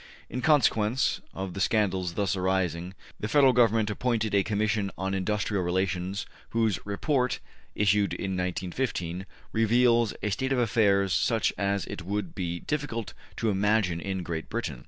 In consequence of the scandals thus arising, the Federal Government appointed a Commission on Industrial Relations, whose Report, issued in 1915, reveals a state of affairs such as it would be difficult to imagine in Great Britain.